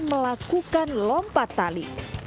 melakukan lompat tali